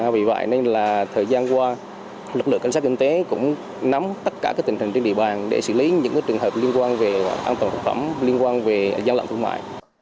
vì vậy nên là thời gian qua lực lượng cảnh sát kinh tế cũng nắm tất cả tình hình trên địa bàn để xử lý những trường hợp liên quan về an toàn thực phẩm liên quan về gian lận thương mại